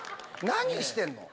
何してんの？